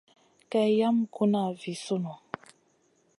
Kay yam guna vi sunù.